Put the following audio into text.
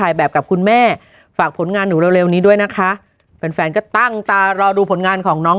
แบบกับคุณแม่ฝากผลงานหนูเร็วนี้ด้วยนะคะแฟนแฟนก็ตั้งตารอดูผลงานของน้อง